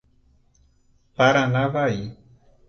Paranavaí